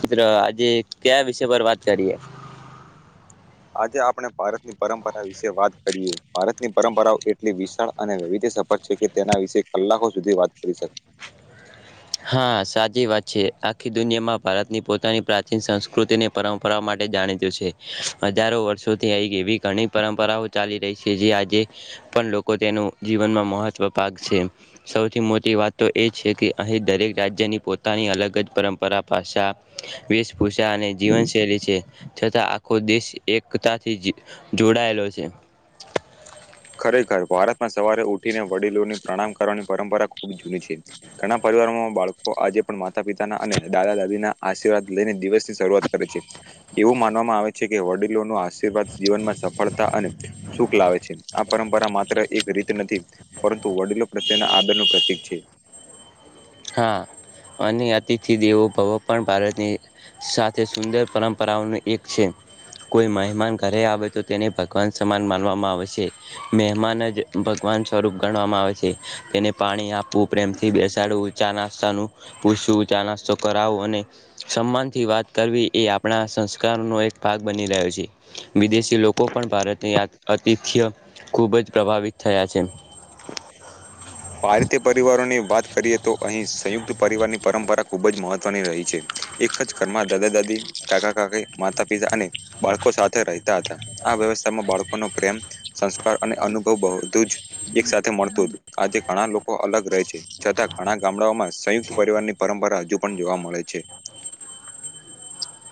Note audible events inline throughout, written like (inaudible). મિતિત્રો આજે કયા વિષય પર વાત કરીએ આજે આપણે ભારતની પરંપરા વિશે વાત કરીએ ભારતની પરંપરા એટલી વિશાળ અને વવિધ્ય સફળ છે કે તેના વિશે કલાકો સુધી વાત કરી શકે હા સાચી વાત છે છે આખી દુનિયામાં ભારતની પોતાની પ્રાચીન સંસ્કૃતિની પરંપરા માટે જાણીતું છે હજારો વર્ષોથી આ એવી ઘણી પરંપરાઓ ચાલી રહી છે જે આજે પણ લોકો તેનું જીવન માં મહત્વ પાક છે સૌથી મોટી વાત તો એ છે કે અહીં દરેક રાજ્યની પોતાની અલગ જ પરંપરા ભાષા વેશ ભૂષા અને જીવનશૈલી છે છતાં આખો દેશ એકતાથી જોડાયેલો છે ખરેખર ભારતમાં સવારે ઉઠીને વડીલોની પ્રણામ કરવાની પરંપરા ખૂબ જૂની છે ઘણા પરિવારોમાં બાળકો આજે પણ માતા પિતાના અને દાદા દાદી ના આશીર્વાદ લઈને દિવસ ની શરૂઆત કરે છે એવું માનવામાં આવે છે કે વડીલોનું આસન આશીવાદ જીવનમાં સફળતા અને સુખ લાવે છે આ પરંપરા માત્ર એક નથી પરંતુ વડીલો પ્રત્યેના આદર ન પ્રતિક છે હા અને અતિથિ દેવો ભવ પણ ભારતની સાથે સુંદર પરંપરાઓનું એક છે કોઈ મહેમાન ઘરે આવે તો તેને ભગવાન સમાન માનવામાં આવે છે મહેમાન જ સ્વરૂપ ગણવામાં આવે છે તેને પાણી આપવું પ્રેમથી બેસાડવું ચા નાસ્તા નું પૂછવું ચા નાસ્તો કરાવો અને સન્માન થી વાત કરવી એ આપણા સંસ્કારનો એક ભાગ બની રહ્યો છે વિદેશી લોકો પણ ભારતની આતિથ્ય ખૂબ જ પ્રભાવિત થયા છે પારધી પરિવારોની વાત કરીએ તો અહીં સંયુક્ત પરિવારની પરંપરા ખૂબ જ મહત્વની રહી છે એક જ ઘરમાં દાદા દાદી કાકા કાકા માતા પિતા અને બાળકો સાથે રહેતા હતા આ વ્યવસ્થામાં બાળકોનો પ્રેમ સંસ્કાર અને અનુભવ બધું જ એક સાથે મળતો હત આજે ઘણા લોકો અલગ રહે છે છતાં ઘણા ગામડા માં સંયુક્ત પરિવાર ની પરંપરા હજુ પણ જોવા મળે છે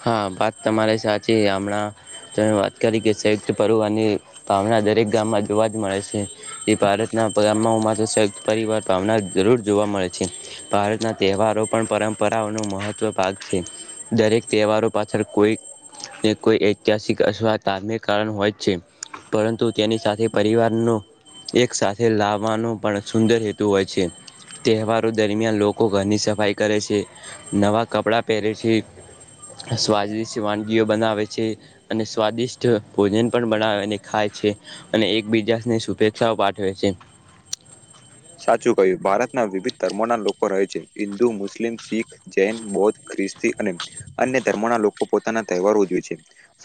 હા વાત તમારે સાચી હમણાં તમે વાત કરી કે સંયુક્ત પરવાની ભાવના દરેક ગામમાં જોવા જ મળે છે એ ભારતના ગામમાંત પરિવાર ભાવના જરૂર જોવા મળે છે ભારતના તહેવારો પણ પરંપરાઓનો મહત્વ ભાગ છે દરેક તહેવારો પાછળ કોઈ કોઈ ઐતિહાસિક અથવા ધાર્મિક કારણ હોય છે પરંતુ તેની સાથે પરિવારનો એક સાથે લાવવાનો પણ સુંદર હેતુ હોય છે તહેવાર દરમિયાન લોકો ઘરની સફાઈ કરે છે નવા કપડા પહેરે છે સ્વાદિ્ટ વાનગીઓ બનાવે છે અને સ્વાદિષ્ટ ભોજન પણ બનાવે અને ખાય છે છે અને એકબીજાની શુભેચ્છાઓ પાઠવે છે (unintelligible) સાચું કહ્યું ભારતના વિવિધ ધર્મો ના લોકો રહે છે હિન્દુ મુસ્લિમ શીખ જૈન બૌદ્ધ ખ્રિસ્તી અને અન્ય ધર્મોના લોકો પોતાના તહેવારો જોઈ છે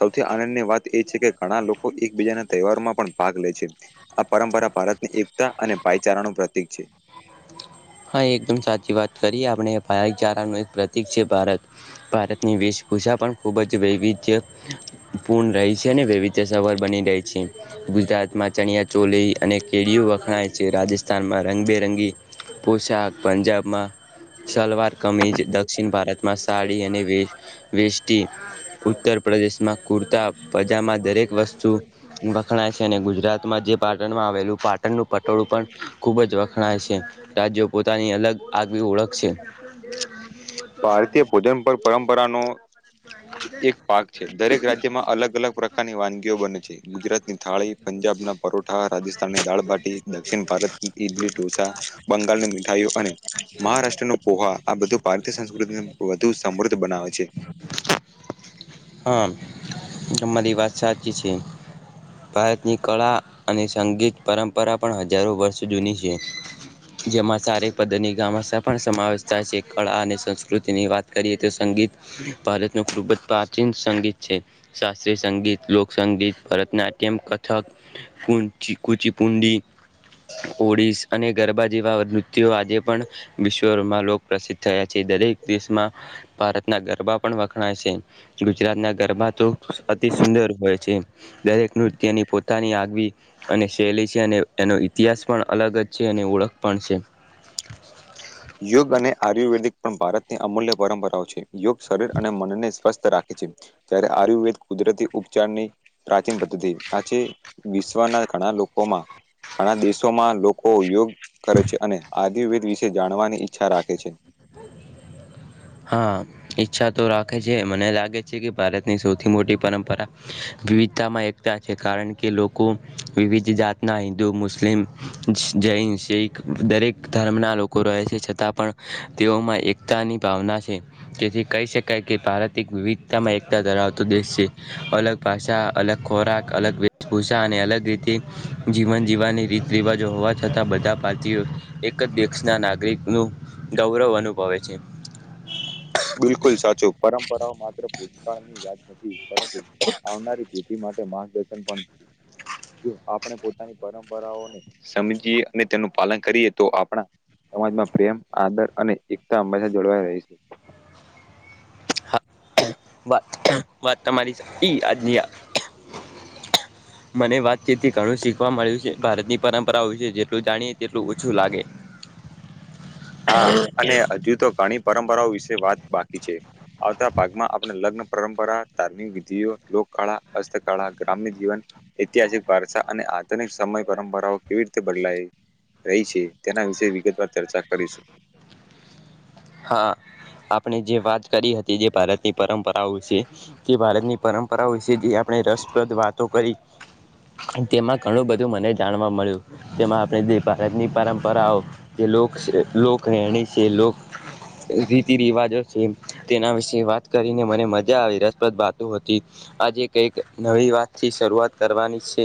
સૌથી આનંદની વાત એ છે કે ઘણા લોકો એકબીજા ના તહેવારો માં પણ ભાગ લે છે આ પરંપરા ભારત ની એકતા અને ભ વિચારણનું પ્રતીિક છે હા એકદમ સાચી વાત કરીએ આપણે ભચારાનું એક પ્રતિક છે ભારત, ભારતની વિશ ગુષા પણ ખૂબ જ વૈવિધ્ય, પૂર્ણ રહે છે અને વૈવિધ્ય સવર બની રહે છે. ગુજરાત માં ચણિયા ચોલી અને કેળિયું વખણાય છે રાજસ્થાન માં રંગબેરંગી પોશાક પંજાબમાં સલવાર કમીજ દક્ષિણ ભારતમાં સાડી અને વેસ્ટી ઉત્તર પ્રદેશમાં કુર્તા પજામા દરેક વસ્તુ વખણાય છે અને ગુજરાતમાં જે પાટણમાં આવેલું પાટણનું પટોળું પણ, ખૂબ જ વખણાય છે. રાજ્યો પોતાની અલગ આગવી ઓળખ છે. ભારતીય ભોજન પર પરંપરા ન એક પાક છે દરેક રાજ્યમાં અલગ અલગ પ્રકારની વાનગીઓ બને છે, ગુજરાતની થાળી પંજાબ ના પરોઠા રાજસ્થાનની દાળભાટી દક્ષિણ ભારત ઈડલઢોંસા. બંગાળની મીઠાઈઓ અને મહારાષ્ટ્ર ન પોહા આ બધું ભારતીય સંસ્કૃતિને વધુ સમૃદ્ધ બનાવે છે. હા તમારી વાદ સાચી છે. ભારતની કળા અને સંગીત પરંપરા પણ હજારો વર્ષ જૂની છે. જેમાં સારેક પદરની ગામા પણ સમાવેશ થાય છે કળા અને સંસ્કૃતિની વાત કરીએ તો સંગીત, ભારતનું ખૂબ જ પ્રાચીન સંગીત છે. શાસ્ત્રીય સંગીત લોકસંગીત ભરતનાટ્યમ કથક, પ ચીકુચીપુંડી ઓડસ અનેક જેવા નૃત આજે પણ, વિશ્વમાં લોક પ્રસિદ્ધ થયા છે દરેક દેશમાં, ભારત ના ગરબા પણ વખણાય છે, ગુજરાત ના ગરબા તો અતિ સુંદર હોય છે, દરેક નૃત્યની પોતાની આગવી અને શૈલી છે અને એનો ઇતિહાસ પણ અલગ જ છે અને ઓળખ પણ છે. યોગ અને આયુર્વેદિક પણ ભારતની અમૂલ્ય પરંપરાઓ છે. યોગ શરીર અને મન ને સ્વસ્થ રાખે. જ્યારે આયુર્વેદ કુદરતી ઉપચારની પ્રાચીન પદ્ધતિ આ છે. વિશ્વના ઘણા લોકોમાં, ઘણા દેશોમાં લોકો યોગ કરે છે અને આ દ વિશે જાણવાની ઈચ્છા રાખે છે. હ (inaudible) હા ઈચ્છા તો રાખે છે મને લાગે છે કે ભારતની સૌથી મોટી પરંપરા વિવિધતામાં એકતા છે કારણ કે લોકો, વિવિધ જાતના હિન્દુ મુસ્લિમ જૈન શીખ દરેક ધર્મના લોકો રહે છે છતાં પણ, તેઓમાં એકતાની ભાવના છે, જેથી કહી શકાય કે ભારત એક વિવિધતામાં એકતા ધરાવતો દેશ છે, અલગ ભાષા અલગ ખોરાક અલગ વેશભૂષા અને અલગ રીતે, જીવન જીવવાની રીત રિવાજો હોવા થતાં બધા ભારતીયો, એક જ દેશના નાગરિક નું ગૌરવ અનુભવે છે. ભકાળ ની યાદ નથી પરંતુ, આવનારી પેઢી માટે માર્ગદર્શન પણ છે. જો આપણે પોતાની પરંપરાઓને સમજીએ અને તેનું પાલન કરીએ તો આપણા સમાજમાં પ્રેમ આદર અને એકતા હંમેશા જળવાઈ રહી છે. હા વાત વાત તમારી ઈ આજની (inaudible) મને વાતચથી ઘણું શીખવા મળ્યું છે ભારતની પરંપરાઓ વિશે જેટલું જાણીએ તેટલું ઓછું લાગે. હા અને હજુ તો ઘણી પરંપરાઓ વિશે વાત બાકી છે, આવતા ભાગમાં આપણે લગ્ન પરંપરા ધાર્મિક વિધિઓ લોક કળા હસ્તકળા ગ્રામ્ય જીવન ઐતિહાસિક ભરસા અને આધુનિક સમય પરંપરાઓ કેવી રીતે બદલાય રહી છે, તેના વિશે વિગતવાર ચર્ચા કરીશું હા આપણે જે વાત કરી હતી જે ભારતની પરંપરાઓ છે, તે ભારતની પરંપરાઓ છે જે આપણે રસ વાતો કરી તેમાં ઘણું બધું મને જાણવા મળ્યું, તેમાં આપણે જે ભારતની પરંપરાઓ જે લોક લોક રહેણી છે લો રીતિ રિવાજ તેના વિશે વાત કરીને મને મજા આવી રસપ્રદ વાતો હતી આજે કઈક નવી વાતથી શરૂઆત કરવાની છે.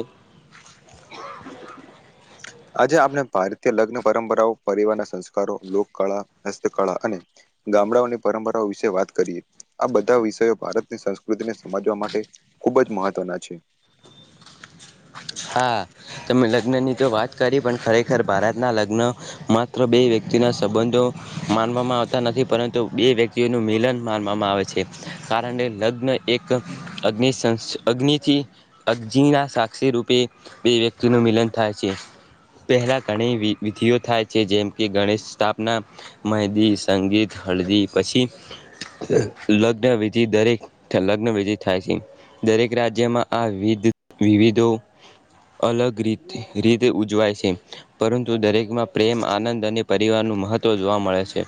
આજે આપણે ભારતીય લગ્ન પરંપરાઓ, પરિવારના સંસ્કારો, લોકકળા, હસ્તકળા અને ગામડાઓની પરંપરાઓ વિશે વાત કરીએ આ બધા વિષયો ભારતની સંસ્કૃતિને સમજવા માટે ખૂબ જ મહત્વના છે. હા તમે લગ્નની તો વાત કરી પણ ખરેખર ભારતના લગ્ન માત્ર બે વ્યક્તિના સંબંધો માનવામાં આવતા નથી પરંતુ બે વ્યક્તિઓનું મિલન માનવામાં આવે છે. કાર લગ્ન એક અગ્નિ સં અગ્નિથી (unintelligible) સાક્ષી રૂપી બે વ્યક્તિનું મિલન થાય છે પહેલા ઘણી વિધિઓ થાય છે જેમ કે ગણેશ સ્થાપના, મહેંદી, સંગીત, હલદી પછી હ લગ્ન વિધિ દરેક લગ્ન વિધિ થાય છે દરેક રાજ્યમાં આ વિવિધ વિવિધ તેઓ અલગ રીતે રીતે ઉજવાય છે. પરંતુ દરેકમાં પ્રેમ, આનંદ અને પરિવારનું મહત્ત્વ જોવા મળે છે.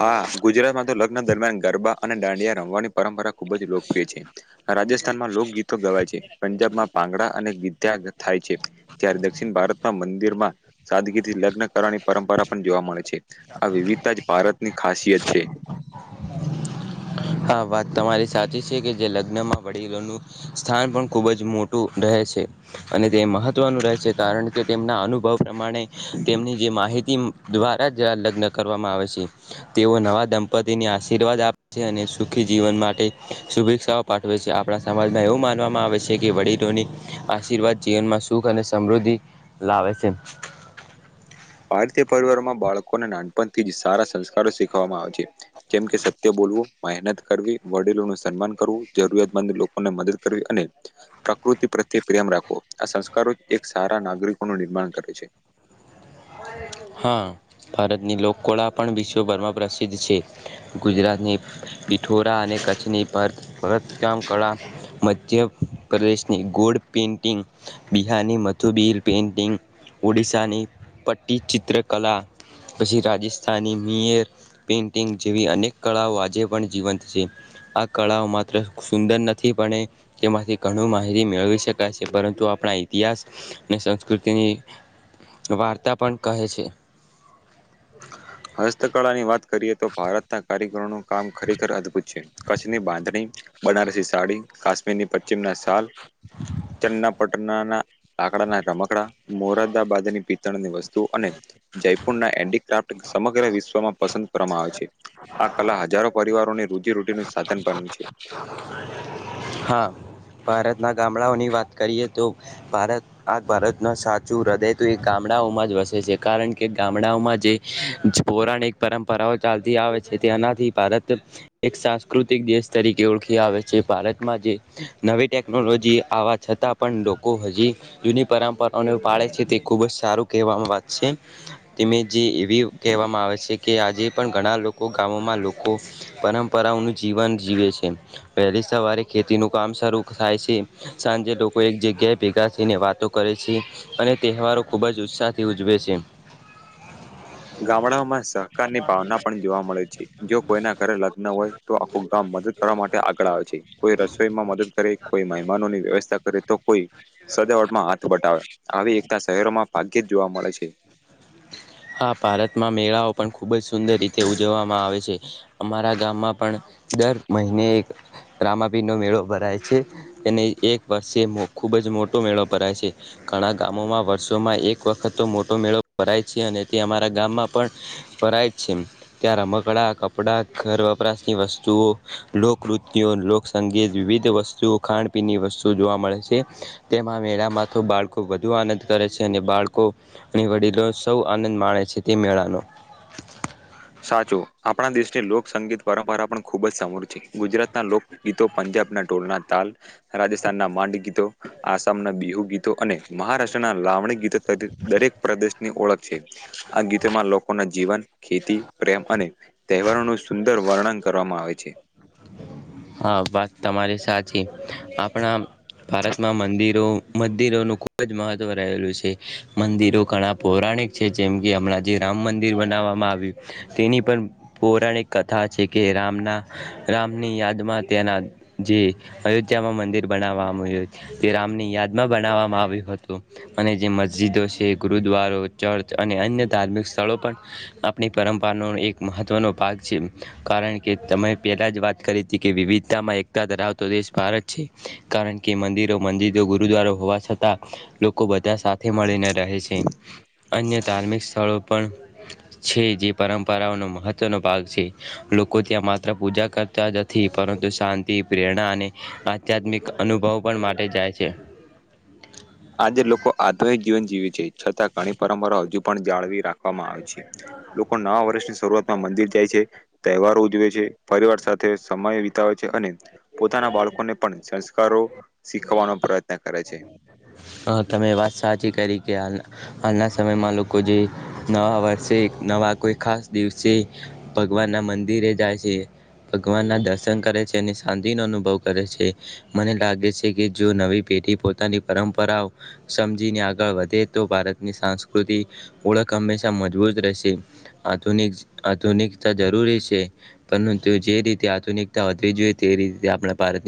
હા ગુજરાતમાં તો દરમિયાન ગરબા અને દાંડિયા રમવાની પરંપરા ખુબ જ લોકપ્રિય છે રાજસ્થાનમાં લોકગીત ગવાય છે, પંજાબમાં ભાગડા અને ગીથયા થાય છે જ્યારે દક્ષિણ ભારતમાં મંદિરમાં સાદગીરીથી લગ્ન કરવાની પરંપરા પણ જોવા મળે છે આ વિવિધતા જ ભારતની ખાસિયત છે. હા વાત તમારી સાચી છે કે જે લગ વડીલોનું સ્થાન પણ ખુબ જ મોટું રહે છે અને તે મહત્વનું રહે છે કા કરણ કે તેમના અનુભવ પ્રમાણે તેમની જે માહિ તી દ્વારા જ લગ્ન કરવામાં આવે છે તેઓ નવા દંપતિને આશીર્વાદ આપે છે અને સુખી જીવન માટે શુભેચ્છાઓ પાઠવે છે આપણા સમાજમાં એવું માનવામાં આવે છે કે વડીલોની આશીર્વાદ જીવનમાં સુખ અને સમૃદ્ધિ લાવે છે. ભારતીય પરિવારોમાં બાળકોને નાનપણથી જ સારા સંસ્કારો શીખવામાં આવે છે જેમકે સત્ય બ બોલવું, મહેનત કરવી, વડીલોનું સન્માન કરવું, જરૂિયાતમંદ લોકોને મદદ કરવી અને પ્રકૃતિ પ્રત્યે પ્રેમ રાખવો આ સંસ્કારો એક સારા નાગરિકોનું નિર્માણ કરે છે. હા, ભારતની લોકકળા પણ વિશ્વભરમાં પ્રસિદ્ધ છે. ગુજરાતની પિઠોરા અને કચ્છની ભાર ભરતકામ કળા મધ્ મધ્યપ્રદેશની ગોડ પેન્ટિંગ, બિહારની મથુબિહલ પેઇન્ટિંગ ઓડિશાની પટ્ટી ચિત્રકલા પછી રાજસ્થાની મેયર પેન્ટિંગ જેવી અનેક કળાઓ આજે પણ જીવંત છે. આ કળાઓ માત્ર સુંદર નથી પણ એ તેમાંથી ઘણું માહિતી મેળવી શકાય છે પરંતુ આપણા ઈતિહાસ અને સંસ્કૃતિની વાર્તા પણ કહે છે. હસ્તકળાની વાત કરીએ તો ભારતના કારીગરોનું કામ ખરેખર અદભુત છે કચ્છની બાંધણી બનારસી સાડી, કાશ્મીરની પશ્ચિમના શાલ, ચન્નાપટનાના લાકડાના રમકડા, મોરાદાબાદની પિત્તણની વસ્તુ અને જયપુરના એન્ટિક સમગ્ર વિશ્વમાં પસંદ કરવામાં આવે છે આ કલા હજારો પરિવારોની રોજીરોટીનુ હા, ભારત ના ગામડાઓની વાત કરીએ તો ભારત આ ભારતનું સાચું હૃદય તો એ ગામડાઓમાં જ વસે છે કારણ કે ગામડાઓમાં જે પૌરાણિક પરંપરાઓ ચાલતી આવે છે તેનાથી ભારત એક સા દેશ તરીકે ઓળખી આવે છે ભારતમાં જે નવી ટેકનોલોજી આવવા છતાં પણ લોકો હજી જૂની પરંપરાઓને પાળે છે તે ખૂબ જ સારું કહેવામાં વાત છે. તેમે જે એવી કહેવામાં આવે છે કે આજે પણ ઘણા લોકો ગામોમાં લોકો પરંપરાઓનું જીવન જીવે છે વહેલી સવારે ખેતી નું કામ શરૂ થાય છે સાંજે લોકો એક જગ્યાએ ભેગા થઈને વાતો કરે છે અને અને તહેવારો ખૂબ જ ઉત્સાહથી ઉજવે છે. ગામડાઓમાં સહકારની ભાવના પણ જોવા મળે છે જો કોઈના ઘરે લગ્ન હોય (unintelligible) તો આખું ગામ મદદ કરવા ધન્યવાદ માટે આગળ આવે છે કોઈ રસોઈમાં મદદ કરે કોઈ મહેમાનોની વ્યવસ્થા કરે તો કોઈ સજાવટમાં હાથ બટાવે આવી એકતા શહેરોમાં ભાગ્યે જ જોવા મળે છે હા ભારતમાં મેળાઓ પણ ખૂબ જ સુંદર રીતે ઉજવવામાં આવે છે અમારા ગામમાં પણ દર મહિને એક રામાપિર નો મેળો ભરાય છે અને એક વર્ષે ખુબ જ મોટો મેળો ભરાય છે. ઘણા ગામોમાં વર્ષોમાં એક વખત તો મોટો મેળો ભરાય છે અને અમારા ગામમાં પણ કરય છે ત્યાં રમકડા કપડા ઘર વપરાશની વસ્તુઓ લોકનૃત્ય લોકસંગીત વિવિધ વસ્તુઓ ખાાન પીનની વસ્તુઓ જો મળે છે તેમાં મેળામાં તો બાળકો વધુ આનંદ કરે છે અને બાળકો અને વડીલો સૌ આનંદ માણે છે તે મેળાનો. (inaudible) સાચો આપણા દેશની લોકસંગીત પરંપરા પણ ખુબ જ સમૂર છે ગુજરાતના લોકગીતો પંજાબના ટોલના તાલ રાજસ્થાનના માંડી ગીતો આસામના બિહુ ગીતો અને મહારાષ્ટ્રના લાવણી ગીતો દરેક પ્રદેશની ઓળખ છે આ ગીતોમાં લોકો ના જીવન પ્રેમ અને તહેવારો ન સુંદર વર્ણન કરવામાં આવે છે. હા બાત તમારી સાચી આપણા ભારતમાં મંદિરો મંદિરોનું ખૂબ ખૂબ જ મહત્વ રહેલું છે મંદિરો ઘણા પૌરાણિક છે જેમ કે હમણાં જે રામ મંદિર બનાવા આવ તેની પણ પૌરાણિક કથા છે કે રામના રામની યાદમાં તેના જે અયોધ્યામાં મંદિર બનાવવા આવ્યું છે તે રામની યાદ બનાવામાં આવ્યું હતું અને જે મસ્જિદો છે ગુરુદ્વારો ચર્ચ અને અન્ય ધાર્મિક સ્થળો પણ આપણી પરંપરાનો એક મહત્વનો ભાગ છે કારણ કે તમે પહેલા જ વાત કરી હતી કે વિવિધતામાં એકતા ધરાવતો દેશ ભારત છે કારણ કે મંદિરો મંદિદો ગુરુદ્વારા હોવા છતાં લોકો બ ત્યાં સાથે મળીને રહે છે અન્ય ધાર્મિક સ્થળો પણ છે જે પરંપરા પરા નો મહત્વો ભાગ છે લોકો ત્યાં પૂજા કરતા નથી પરંતુ શાંતિ પ્રેરણા અને આધ્યાત્મિક અનુભવ પણ માટે જાય છે. છે આજે લોકો આ તીક છતાં ઘણી પરંપરા હજુ પણ જાળવી રાખવામાં આવે છે લોકો નવા વર્ષની શરૂઆતમાં મંદિર જાય છે. તહેવાર ઉજવે છે. પરિવાર સાથે સમય વિતાવેય છે અને પોતાના બાળકોને પણ સંસ્કારો શીખવાનો પ્રયત્ન કરે છે. હા તમે વાત સાચી કરી હાલના સમયમાં લોકો જે નવા વર્ષે નવા કોઈ ખાસ દિવસે ભગવાન ના મંદિરે જાય છે. ભગવાન ના દર્શન કરે છે અને શાંતિનોો અનુભવ કરે છે મને લાગે છે કે જો નવી પેઢી થી પોતાની પરંપરા પરાાવ સમજીને આગળ વધે તો ભારતની સાંસ્કૃતિ ઓળખ હંમેશા મજબૂત રહેશે. આધુનિકતા જરૂરી છે પરંત તેુ જે રીતે આધુનિકતા વધ જોઈએ તે રીતે આપણા ભારત